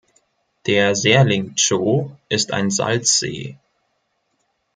Der Serling Tsho ist ein Salzsee.